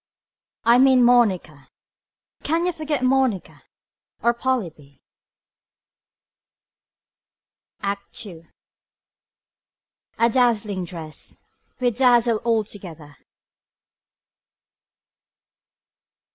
I mean Monica. Can you forget Monica. Or Polybe. ACT II. A dazzling dress. We dazzle altogether.